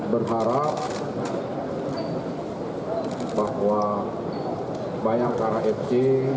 berharap bahwa banyak para fc